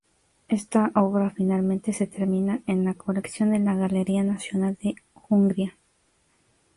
Esta obra finalmente se termina en la colección de la Galería Nacional de Hungría.